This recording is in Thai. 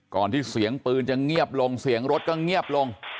ที่เสียงปืนจะเงียบลงเสียงรถก็เงียบลง